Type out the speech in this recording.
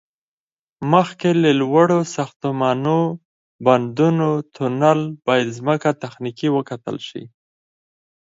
مخکې له لوړو ساختمانو، بندونو، تونل، باید ځمکه تخنیکی وکتل شي